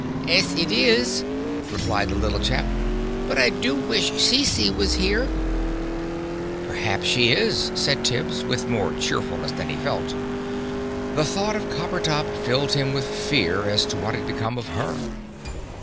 "'Es, it is!" replied the little chap. "But I do wish Cece was here!" "Perhaps she is," said Tibbs, with more cheerfulness than he felt. The thought of Coppertop filled him with fear as to what had become of her.